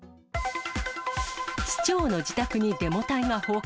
市長の自宅にデモ隊が放火。